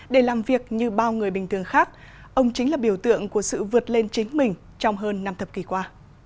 để làm việc như bao người bình thường khác ông chính là biểu tượng của sự vượt lên chính mình trong hơn năm thập kỷ qua